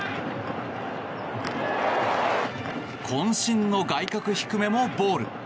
こん身の外角低めもボール。